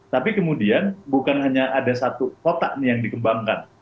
tapi kemudian bukan hanya ada satu kota nih yang dikembangkan